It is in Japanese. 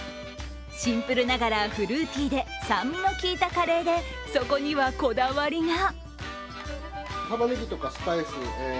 シンプルながらフルーティーで酸味の利いたカレーでそこには、こだわりが。